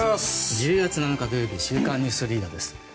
１０月７日、土曜日「週刊ニュースリーダー」です。